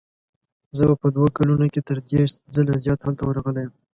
زه په دوو کلونو کې تر دېرش ځله زیات هلته ورغلی یم.